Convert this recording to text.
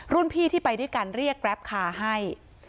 พี่ที่ไปด้วยกันเรียกแกรปคาให้